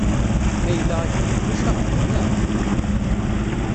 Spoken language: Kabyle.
Ma yella akka, ulac aɣbel, neɣ?